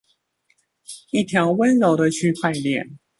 一條溫柔的區塊鍊